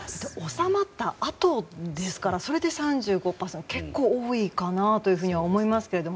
収まったあとですからそれで３５％は結構、多いかなというふうに思いますけど。